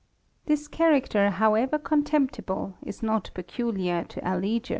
This character, however contemptible, is not pecuh'ar to Aliger.